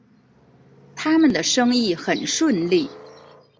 他们的生意很顺利